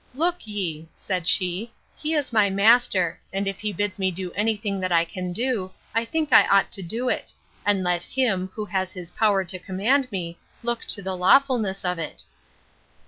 Look ye, said she, he is my master; and if he bids me do any thing that I can do, I think I ought to do it; and let him, who has his power to command me, look to the lawfulness of it.